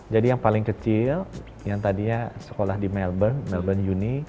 jadi yang paling kecil yang tadinya sekolah di melbourne melbourne uni